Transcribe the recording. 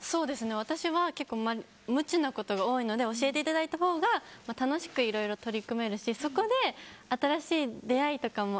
私は無知なことが多いので教えていただいたほうが、楽しくいろいろ取り組めるしそこで新しい出会いとかも